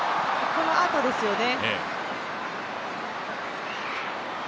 このあとですよね。